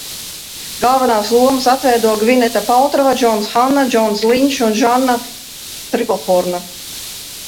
Galvenās lomas atveido Gvineta Paltrova, Džons Hanna, Džons Linčs un Žanna Triplhorna.